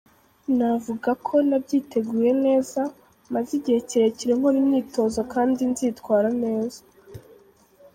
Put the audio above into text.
Navuga ko nabyiteguye neza, maze igihe kirekire nkora imyitozo kandi nzitwara neza.